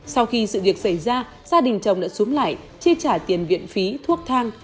sau khi sự việc xảy ra gia đình chồng đã xuống lại chi trả tiền viện phí thuốc thang